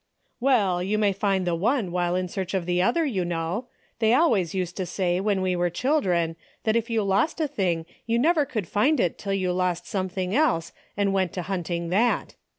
" Well, you may find the one while in search of the other, you know. They always used to say, when we were children, that if you lost a thing you never could find it till you lost something else and went to hunting that.